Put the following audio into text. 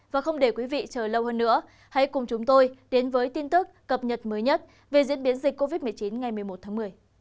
và không để quý vị chờ lâu hơn nữa hãy cùng chúng tôi đến với tin tức cập nhật mới nhất về diễn biến dịch covid một mươi chín ngày một mươi một tháng một mươi